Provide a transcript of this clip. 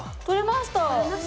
とれました！